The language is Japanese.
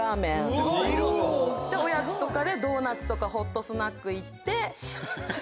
おやつとかでドーナツとかホットスナック行って。